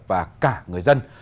và cả người dân